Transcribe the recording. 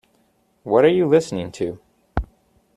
What are you listening to?